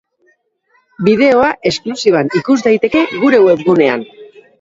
Bideoa esklusiban ikus daiteke gure webgunean.